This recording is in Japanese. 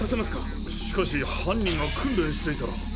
しかし犯人が訓練していたら。